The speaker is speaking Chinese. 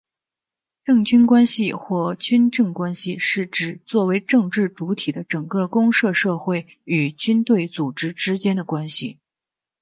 政军关系或军政关系是指作为政治主体的整个公民社会与军队组织之间的关系。